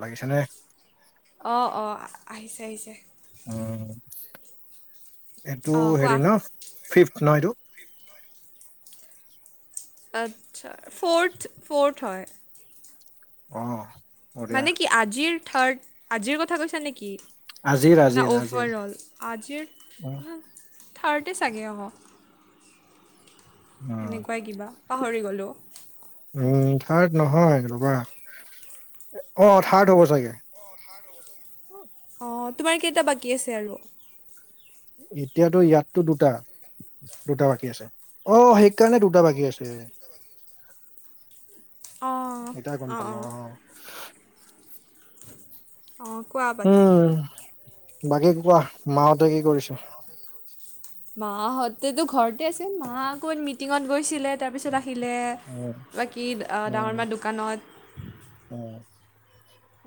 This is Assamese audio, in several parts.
লাগিছে নে? অ', অ', আহিছে আহিছে। উ এইটো অঁ কোৱা হেৰি ন ফিফ ন এইটো? আচ্ছা ফৰ্থ ফ'ৰ্থ হয়। অ'। বঢ়িয়া মানে কি, আজিৰ থাৰ্ড আজিৰ কথা কৈছা নেকি? আজিৰ না আজিৰ আজিৰ অভাৰ অল, আজিৰ অ থাৰ্ডেই চাগে হ'ব, এনেকুৱাই কিবা পাহৰি গ'লো। উম, থাৰ্ড নহয় ৰ'বা অ থাৰ্ড হ'ব চাগে? অ', তোমাৰ কেইটা বাকী আছে আৰু? এতিয়াতো ইয়াততো দুটা দুটা বাকী আছে অ সেইকাৰণে দুটা বাকী আছে। অঁ এটাই গম অঁ পালো অঁ অ' অ' কোৱা বাকী? উম বাকী ক কোৱা মাহতে কি কৰিচে মাহঁতেতো ঘৰতে আছে মা আকৌ মিটিঙত গৈছিলে তাৰপিছত আহিলে উম বাকী ডাঙৰ মাহ দোকানত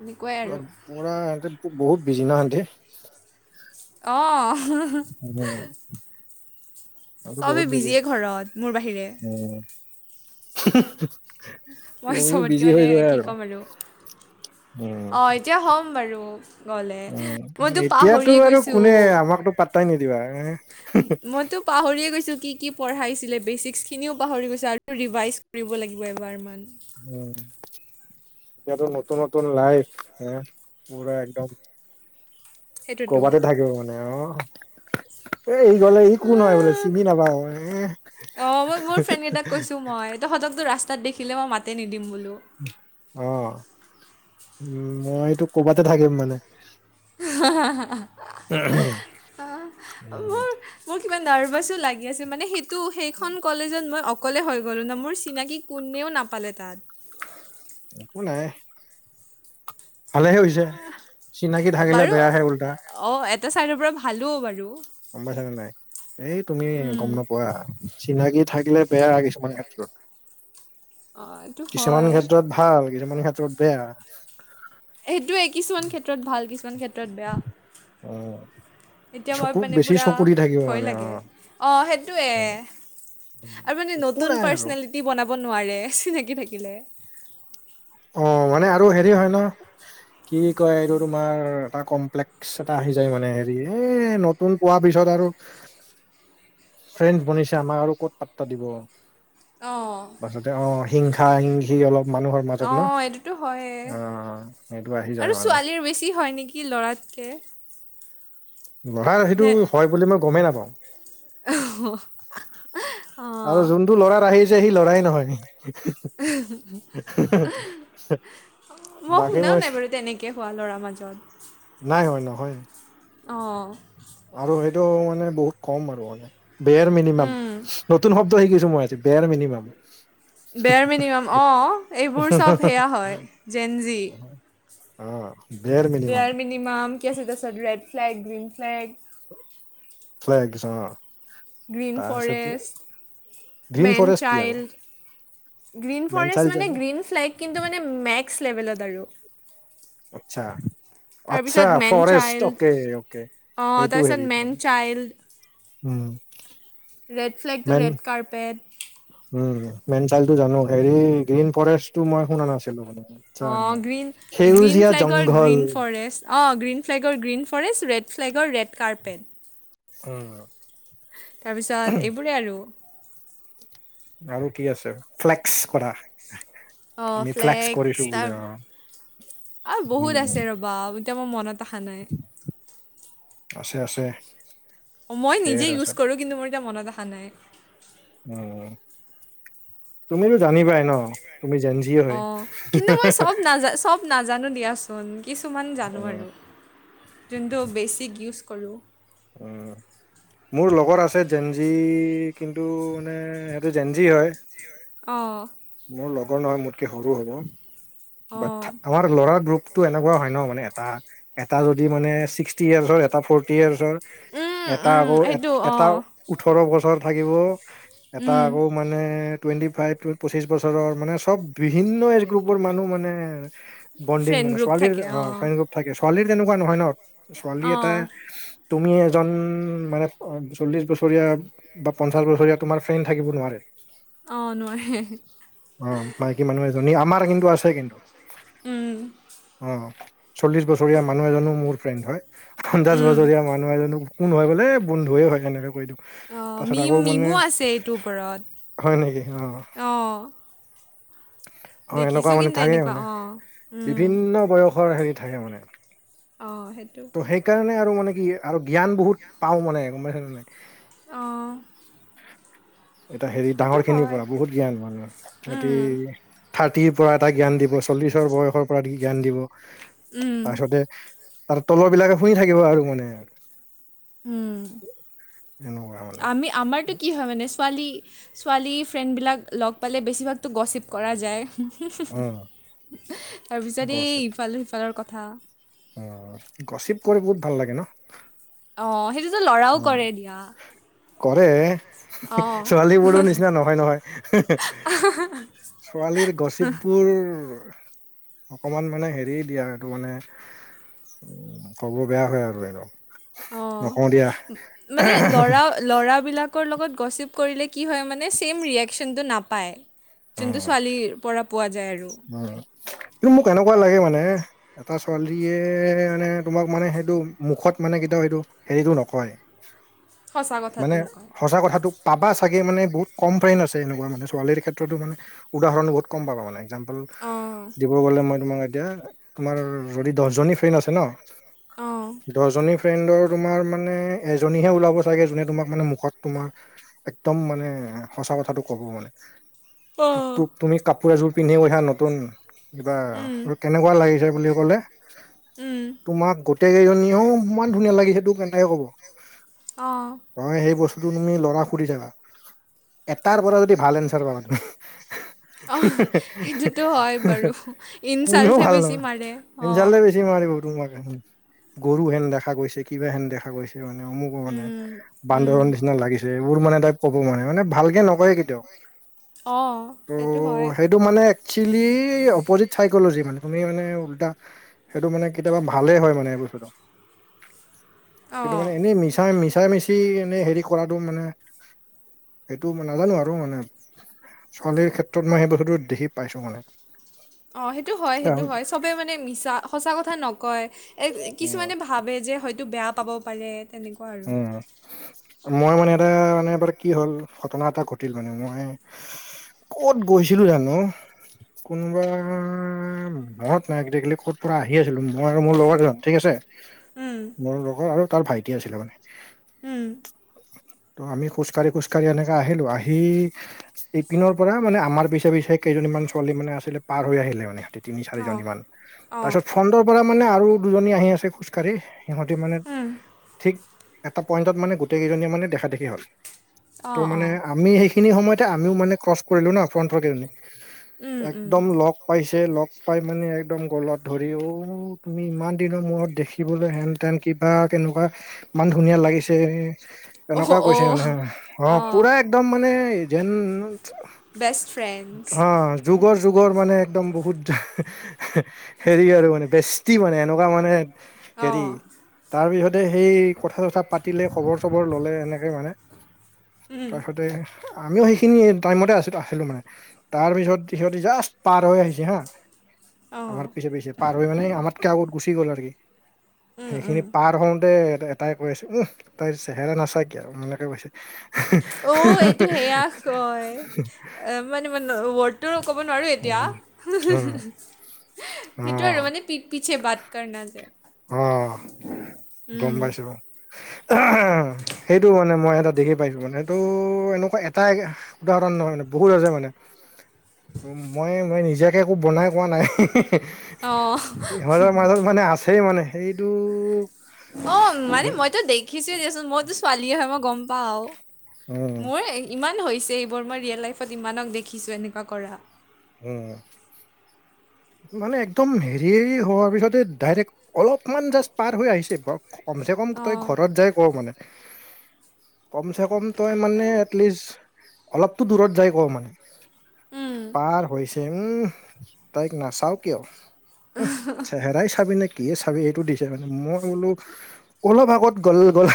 এনেকুৱাই আৰু পুৰা সহতে বহুত বিজি ন সেহতে অ' [inaudible] আৰুটো চবেই বহুত বজি বিজিয়ে ঘৰত মোৰ বাহিৰে মই তুমিও চবতকৈ বিজি মানে হৈ যোৱা আৰু উম অ', এতিয়া হ'ম বাৰু? গলে উ মইতো এতিয়াতো পাহৰিয়ে আৰু গৈছো কোনে আমাকতো পাত্তাই নিদিবা এ মইতো পাহৰিয় গৈছো কি কি পঢ়াইছিলে বেচিকস খিনিও পাহৰি গৈছো আৰু ৰিভাইজ কৰিব লাগিব এবাৰ ইমান [inaudible] এতিয়াতো নতু নতন লাইফ হ পুৰা একদম সেইটোতো কৰ'বাতে থাকিব মানে অহ এ ই গলে ই ক নহয় বোলে আহ, চিনি নাপায় এ ত সতকতটো ৰাস্তাত দেখিলে মই মাতে নিদিম বোলো। অ', উম মইটো কৰ'বাতে থাকিম মানে মোৰ উম মোৰ কিবা নাৰ্ভাচো লাগি আছিল মানে সেইটো সেইখন কলেজত মই অকলে হৈ গ'লো ন মোৰ চিনাকি কোনেও নাপালে তাত এক নাই ভালেহে হৈছে চিনাকি থাকিলে বেয়াহে উল্টা অ', এটা চাইডৰ পৰা ভালো বাৰু গম পাইছনে নাই এই তুমি উম। গম নপোৱা। চিনাকি থাকিলে বেয়া কিছুমান ক্ষেত্ৰত অঁ এইটো কিছুমান হয় ক্ষেত্ৰত ভাল গিজ মান হাত বেয়া সেইটোৱে কিছুমান ক্ষেত্ৰত ভাল কিছুমান ক্ষেত্ৰত বেয়া। [inaudible] এতিয়া মই চকু মানে বেছি পুৰা চকু দি থাকিব ভয় মানে লাগে অ', সেইটে অ আৰু মানে একো নতুন নাই আৰু পাৰ্চনেলিটি বনাব নোৱাৰে চিনাকি থাকিলে অ', মানে আৰু হেৰি হয় ন কি কয় এইটো তোমাৰ এটা কমপ্লেক্স এটা আহি যায় মানে হেৰি এ নতুন পোৱাৰ পিছত আৰু ফ্ৰেণ বনিছে আমাক আৰু ক'ত পাত্তা দিব অ' তাৰ পাছতে অ হিংসা হিংসি অলপ মানুহৰ মাজত ন অ', এইটোতো হয় অ সেইটো আহি যায় আৰু মানে ছোৱালীৰ বেছি হয় নেকি ল'ৰাত কে ন সেইটো হয় বুলি মই গমেই নাপাওঁ আহ আৰু যোনতটো ল'ৰাৰ আহিছে সি লৰাই নহয় [inaudible] মই শুনাও নাই বাৰু তেনেকে হোৱা ল'ৰাৰ মাজত নাই হয় নহয় অ' আৰু সেইটো মানে বহুত কম আৰু মানে বেয়ৰ মিনিমাম নতুন শব্দ শিকিছো মই বেয়া মিনিমম। বেৰ মিনিমাম অ' এইবোৰ চব সেয়া হয় জেনজি। অ', বেয়াৰ মিনিমাম। মিনমাম কি আছে তছত red flag green flag. Flags অ'। গ্ৰীণ তাৰপিছত ফৰেষ্ট গ্ৰীণ মেন ফৰেষ্ট কি আৰু চাইল্ড। গ্ৰীণ মেনচাইল ফৰেষ্ট মানে জানো গ্ৰীণ ফ্লেগ কিন্তু মানে মেক্স লেভেলত আৰু। আচ্ছা আচ্ছা তাৰপিছত man forest child okay okay অ' সেইটো তাৰপিছত হেৰি মেন চাইল্ড ৰেড ফ্লেগটো man red carpet. Um, man চাইলডটো জানো হেৰি গ্ৰীণ ফৰেষ্টটো মই শুনা নাছিলো মানে। আচ্ছা। অ', গ্ৰীণ গ্ৰীণ সেউজীয়া ফ্লেগৰ জংঘল গ্ৰীণ ফৰেষ্ট। অ', গ্ৰীণ ফ্লেগৰ গ্ৰীণ ফৰেষ্ট ৰেড ফ্লেগৰ ৰেড কাৰ্পেট। উম। তাৰপিছত এইবোৰে আৰু। আৰু কি আছে ফ্লেক্স কৰা। অ', আমি কৰিছো ফ্লেক্স ত বোলে অ', বহুত উম, আছে ৰ বা এতিয়া মই মনত অহা নাই। আছে আছে। অ', মই নিজে ধেৰ ইউজ আছে। কৰোঁ কিন্তু মোৰ এতিয়া মনত অহা নাই। অ', তুমিতো জানিবাই ন তুমি জেন অ', কিন্তু মই চব নাজা চব নাজানো দিয়াচোন কিছুমান জানো উম, আৰু যোনটো বেচিক ইউজ কৰোঁ। অ'। মোৰ লগত আছে জেনজি কিন্তু মানে সিহঁটোতে জেনজি হয়। অ'। মোৰ লগৰ নহয় মোতকে সৰু অ হ'বাট আমাৰ ল'ৰা গ্ৰুপটো এনেকুৱা হয় ন মানে এটা এটা যদি মানে এ চিষ্ট ফট ইয়েচৰ এটা ফৰ্টি ইয়াৰ্চৰ উম এটা উম আকৌ এ সেইটো অ এটা ওঠৰ বছৰ থাকিব এটা উম আকৌ মানে টুৱেণ্টি ফাইভ। পঁচিশ বছৰৰ মানে চব বিভিন্ন এজ গ্ৰুপৰ মানুহ মানে বণ্ডিং ফ্ৰেণ্ড মানে গ্ৰুপ ছোৱালীৰ থাকে অ' ফ্ৰে থাকে ছোৱালীৰ তেনেকুৱা নহয় ন। ছোৱালী অ এটা তুমি এজন মানে চল্লিছ বছৰীয়া বা পঞ্চাছ বছৰীয়া তোমাৰ ফ্ৰেণ্ড থাকিব নোৱাৰে। অ', নোৱাৰে। অ', মাইকী মানুহ এজনী আমাৰ কিন্তু আছে কিন্তু। উম অ', চল্লিশ বছৰীয়া মানুহ এজনো মোৰ ফ্ৰেণ্ড হয় পঞ্চাশ উম বছৰীয়া মানুহ এজনো কোন ন হয় বোলে বন্ধুুৱে হয় কেনেকৈ দিওঁ। অ তাৰ পিছত মিম আকৌ মানে মিমো আছে এইটোৰ ওপৰত হয় নেকি অ'। অ', এনেকুৱা দেখিছোঁ মানে কিন্তু থাকে এনেকুৱা মানে অ উম বিভিন্ন বয়সৰ হেৰি থাকে মানে। অ', সেইটো ত' সেইকাৰণে আৰু মানে কি আৰু জ্ঞান বহুত পাওঁ মানে। অ'। এটা হেৰি সেইটো ডাঙৰ খিনিৰ হয়। পৰা বহুত জ্ঞান মানে সিহঁতি উম, থাৰ্টিৰ পৰা এটা জ্ঞান দিব চল্লিছৰ বয়সৰ পৰা জ্ঞান দিব। উম, তাৰপিছতে তাৰ তলৰ বিলাকে শুনি থাকিব আৰু মানে। উম, এনেকুৱা মানে আমি আমাৰটো কি হয় মানে ছোৱালী ছোৱালী ফ্ৰেণ্ডবিলাক লগ পালে বেছিভাগতো গচিপ কৰা যায়। উম তাৰপিছত এই ইফালে সিফালৰ কথা। অ', গচিপ কৰি বহুত ভাল লাগে ন। অ', সেইটোতো ল'ৰা অ', কৰে। অ', ছোৱালী বোৰো নিচিনা নহয়, নহয়। অ', ছোৱালীৰ গচিপবোৰ অকমান মানে, হেৰি দিয়া এইটো মানে কব বেয়া হয়, আৰু এহেতক অ'। নকওঁ দিয়া। মানে ল'ৰা ল'ৰাবিলাকৰ লগত গচিপ কৰিলে কি হয় মানে ছেইম ৰিয়েকচনটো নাপায়। যোনতো উম ছোৱালীৰ পৰা পোৱা যায় আৰু। উম কিন্তু মোক এনেকুৱা লাগে মানে এটা ছোৱালীয়ে মানে, তোমাক মানে সেইটো মুখত মানে কেতিয়াও সেইটো হেৰিটো নকয়, সঁচা কথাটো মানে নকয়। সঁচা কথাটোক পাবা চাগে মানে বহুত কম ফ্ৰেইন আছে এনেকুৱা মানে ছোৱালীৰ ক্ষেত্ৰতো মানে উদাহৰণো বহুত গম পাবা মানে, এক্সাম্পোল অ', দিব গ'লে মই তোমাক এতিয়া তোমাৰ যদি দহজনী ফ্ৰেণ্ড আছে ন, দহজনী ফ্ৰেণ্ডৰ তোমাৰ মানে এজনীহে ওলাব চাগে যোনে তোমাক মানে মুখত তোমাৰ একদম মানে সঁচা কথাটো ক'ব মানে। অ', তোক অ'। তোক তুমি কাপোৰ এযোৰ পিন্ধি কৈছা নতুন কিবা উম, আৰু কেনেকুৱা লাগিছে বুলি ক'লে উম, তোমাক গোটেই কেইজনীয়েও ইমান, ধুনীয়া লাগিছে তোক কেনেকে কব। অ', তই সেই বস্তুতটো তুমি লৰা সুধি চাবা এটাৰ পৰা যদি ভাল এনচাৰ পাবা। উ, অঁ, সেইটোতো হয় বাৰু। কোনেও ইনচাল্টহে ভাল বেছি নাপায়, মাৰে, ইনচাল অঁ। হে বেচি মাৰিব তোমাক গৰু হেন দেখা গৈছে কিবা হেন দেখা গৈছে। মানে অমুক মানে, উম, উম, বান্দৰ নিচিনা লাগিছে এইবোৰ মানে তাইপ ক'ব মানে মানে ভাল ভালকে নকয়। ত' সেইটো মানে একচুৱেলি অপজিত চাইকলজি মানে, তুমি মানে উল্টা সেইটো মানে কেতিয়াবা ভালে হয় মানে এই বস্তুটো। কিন্তু অঁ, মানে, এনেই মিছাই মিছা মিচা মিচি এনেই হেৰি কৰাটো মানে সেইটো নাজানো আৰু মানে ছোৱালীৰ ক্ষেত্ৰত মই সেই বস্তুটো দেখি পাইছো মানে। অ' সেইটো হয় সেইটো হয় চবে মানে মিছা সঁচা কথা নকয় উম কিছুমানে ভাবে যে, হয়তো বেয়া পাব পাৰে। তেনেকুৱা আৰু। উম। মই মানে, এটা মানে এবাৰ কি হ'ল ঘটনা এটা ঘটিল মানে মই কত, গৈছিলো জানো। কোনোবা মনত নাই এক ক'ত পৰা আহি আছিলো মই আৰু মোৰ লগৰজন ঠিক আছে। উম। মোৰ লগৰ, আৰু তাৰ ভাইটি আছিলে মানে উম, ত' আমি খোজ কাঢ়ি এনেকে আহিলো আহিখোকাঢ়ি সেই ইপিনৰ পৰা মানে, আমাৰ পিছে পিছে কেইজনীমান ছোৱালী মানে আছিলে পাৰ হৈ আহিলে মানে। তিনি চাৰিজন অঁ, মান, তাৰ অঁ, পিছত ফ্ৰণ্টৰ পৰা মানে আৰু দুজনী আহি আছে খোজকাঢ়ি কাৰী সিহঁতি মানে উম, ঠিক এটা পইণ্টত মানে গোটেই কেইজনীয়ে মানে দেখা দেখি হল ত' অঁ, মানে অঁ। আমি সেই, সেইখিনি সময়তে আমিও মানে ক্ৰছ কৰিলোঁ ন ফ্ৰণ্টৰকেইজনী উম, উম, একদম লক পাইছে লগ পাই মানে, একদম গ'লত ধৰি অঔ তুমি ইমান দিনৰ মূৰত দেখিবলৈ হেন যেন কিবা কেনেকুৱা ইমান ধুনীয়া লাগিছে। অ' তেনেকুৱা কৈছে অ', মানে, অ', অঁ, পুৰা একদম মানে যেন বেষ্ট ফ্ৰেঞ্চ। অ', যুগৰ যুগৰ মানে একদম বহুত হেৰি আৰু মানে, বেষ্টি মানে এনেকুৱা মানে হেৰি অঁ, তাৰপিছতে সেই কথা-চথা পাতিলে, খবৰ চবৰ ল'লে এনেকে মানে উম, তাৰপিছতে আমিও সেইখিনি টাইমতে আ-আছিলো মানে, তাৰ পিছত সিহঁতি জাষ্ট পাৰ হৈ আহিছিল। হা, অঁ, আমাৰ পিছে পিছে পাৰ হৈ মানে আমাতকে আগত গুচি গল আৰু সি উম, উম। সেইখিনি পাৰ হওঁতে এ-এটাই কৈ আছে, উম তাইৰ চেহেৰা নাচা কিয়া আৰু এনেকে কৈছে। অ' এইটো সেয়া কয় [unintelligible] এ, মানে মান ৱৰ্ডটো ক'ব নোৱাৰোঁ এতিয়া, উম উম অ সেইটো আৰু মানে পিতপিছে বাত কৰনা যে অ', উম গম পাইছো। সেইটো মানে, মই [unintelligible] দেখি পাইছো মানে ত' এনেকুৱা এটাই উদাহৰণ নহয় মানে বহুত আছে মানে। মই-মই নিজাকে একো বনাই কোৱা নাই। অ' ইহঁতৰ মাজত মানে আছে মানে, সেইটো অ', মানে উম মইতো দেখিছোয়ে দিয়াচোন, মইতো ছোৱালী হয় মই গম পাও উম মোৰ ইমান হৈছে এইবোৰ, মই ৰিয়েল লাইফত ইমানক দেখিছোঁ এনেকুৱা কৰা। উম, মানে একদম হেৰি হোৱাৰ পিছতে ডাইৰেক্ট অলপমান জাষ্ট পাৰ হৈ আহিছে, কমচে কম তই অ' ঘৰত যাই ক' মানে কমচে কম তই মানে এটলিষ্ট, অলপতো দূৰত যাই ক' মানে উম পাৰ হৈছে, উম তাইক নাচাও কিয় উম চেহেৰাই চাবি নে কি এ চাবি সেইটো দিছে, মানে মই বোলো অলপ আগত গ'ল-গ'ল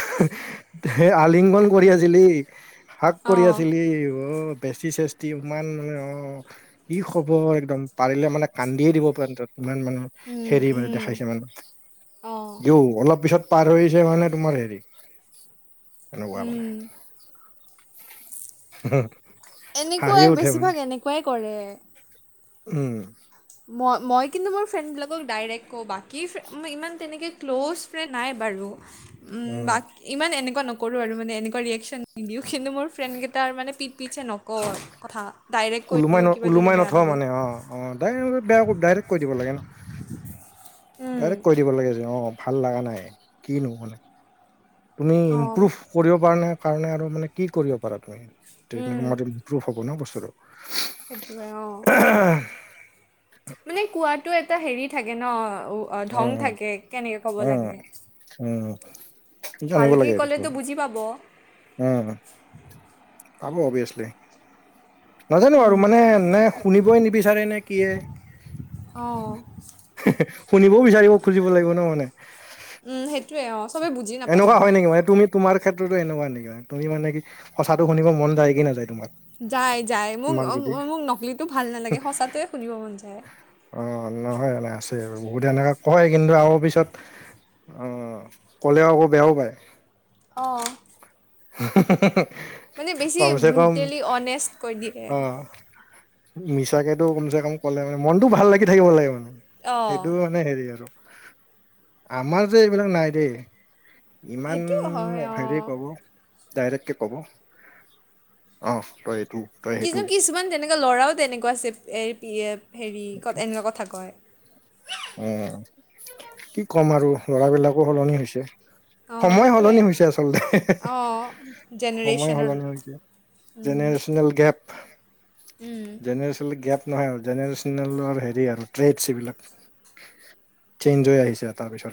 আলিংগন কৰি আছিলি? হাগ্ কৰি অ' আছিলি, অ', বেষ্টি-চেষ্টি ইমান মানে অ' কি খবৰ, একদম পাৰিলে মানে কান্দিয়ে দিব পেণ্টত। কিমান মানে, উম হেৰি মানে উম দেখাইছে মানে। অ' [unintelligible] অলপ পিছত পাৰ হৈছে মানে তোমাৰ হেৰি, এনেকুৱা মানে উম হাঁহিয়ে এনেকুৱাই, উঠে মানে বেছিভাগ এনেকুৱাই কৰে। উম। মই-মই কিন্তু মোৰ ফ্ৰেণ্ডবিলাকক ডাইৰেক্ট কওঁ, বাকী ইমান তেনেকে ক্ল'জ ফ্ৰেণ্ড নাই বাৰু, উম ইমান এনেকুৱা নকৰোঁ আৰু মানে এনেকুৱা ৰিয়েকশচন [unintelligible] কিন্তু মোৰ ফ্ৰেণ্ডকেইটাৰ মানে পিটপিটছে নকও কথা। ডাইৰেক্ট কৈ দিওঁ কিবা যদি ওলোমাই-ওলোমাই বেয়া নথোৱা লাগে মানে? অ', অ', ডাইৰে-ডাইৰেক্ট কৈ দিব লাগে ন উম, ডাইৰেক্ট কৈ দিব লাগে যে, অ', ভাল লগা নাই কিনো মানে তুমি অঁ ইম্প্ৰুভ কৰিব পাৰা নাই কাৰণে, আৰু মানে কি কৰিব পাৰা তুমি তে উম, ম প্ৰুফ হ'ব নহ বস্তুটো? সেইটোৱে, অ', মানে কোৱাটো এটা হেৰি থাকে ন অ', উম ঢং থাকে, কেনেকে ক'ব উম লাগে? উম, জানিব লাগে এইটো কি পাব? উম, পাব অবিয়াছলি। নাজানো আৰু মানে, নে শুনিবই নিবিচাৰে নে কিয়ে? অ'। শুনিবও বিচাৰিব খুজিব লাগিব নহ মানে? উম, সেইটোয়ে অ' চবে বুজি নাপায় এনেকুৱা নহ হয় নেকি মানে তুমি তোমাৰ ক্ষেত্ৰতো এনেকুৱা নেকি মানে, তুমি মানে কি সঁচাটো শুনিব মন যায় কি নাযায় তোমাৰ? যায়, যায়, মোক-মোক নকলিটো ভাল নালাগে, সঁচাতোয়ে শুনিব মন যায়। অ', নহয় মানে আছে বহুত, এনেকা কয় কিন্তু আকৌ পিছত অ' ক'লেও আকৌ বেয়াও পায়। অ' হ [inaudible] মানে বেছি ব্ৰুটেলি হনেষ্ট কৈ দিয়ে মিছাকেটো কমচে কম ক'লে মানে, মনটো ভাল লাগি থাকিব লাগে মানে অঁ সেইটো মানে, হেৰি আৰু আমাৰ যে এইবিলাক নাই দেই ইমান সেইটো হয় অঁ হেৰিয় ক'ব ডাইৰেক্টকে কব অ', তই এইটো। তই সেইটো কিন্তু কিছুমান তেনেকুৱা ল'ৰাও তেনেকুৱা আছে, হেৰি এনেকুৱা কথা কয়। অ', কি ক'ম আৰু ল'ৰাবিলাকো সলনি হৈছে। অঁ সময় সেইটোৱে সলনি হৈছে আচলতে, অঁ সময় জেনেৰেশ্যনৰ সলনি হৈছে। Generational gap. উম্। জেনেৰেচনেল গেপ নহয় আৰু জেনেৰেচনেলৰ হেৰি আৰু ট্ৰেডছ এইবিলাক। চেইঞ্জ হৈ আহিছে তাৰপিছত।